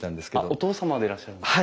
お父様でいらっしゃるんですか？